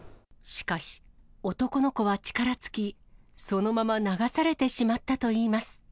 しかし、男の子は力尽き、そのまま流されてしまったといいます。